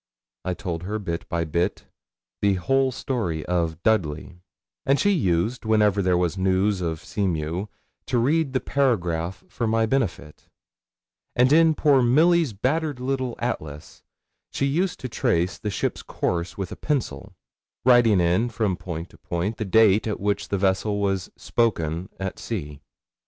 I told her, bit by bit, the whole story of Dudley, and she used, whenever there was news of the Seamew, to read the paragraph for my benefit; and in poor Milly's battered little Atlas she used to trace the ship's course with a pencil, writing in, from point to point, the date at which the vessel was 'spoken' at sea.